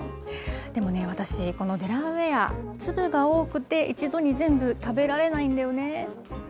でもね、私、このデラウェア、粒が多くて、一度に全部食べられないんだよね。